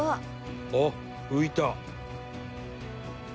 「あっ浮いた！」